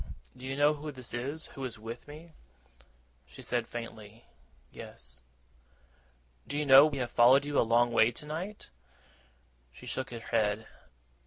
'Do you know who this is, who is with me?' She said faintly, 'Yes.' 'Do you know that we have followed you a long way tonight?' She shook her head.